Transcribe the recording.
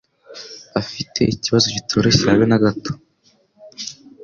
Afite ikibazo kitoroshye habe nagato